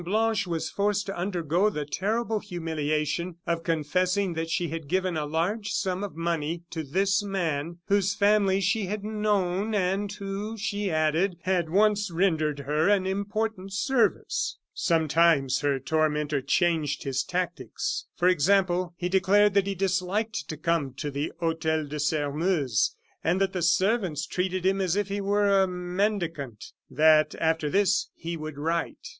Blanche was forced to undergo the terrible humiliation of confessing that she had given a large sum of money to this man, whose family she had known, and who, she added, had once rendered her an important service. Sometimes her tormentor changed his tactics. For example, he declared that he disliked to come to the Hotel de Sairmeuse, that the servants treated him as if he were a mendicant, that after this he would write.